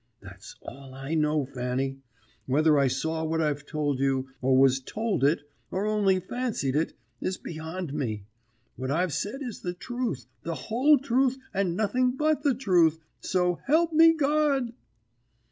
That's all I know, Fanny. Whether I saw what I've told you, or was told it, or only fancied it, is beyond me. What I've said is the truth, the whole truth, and nothing but the truth, so help me God!'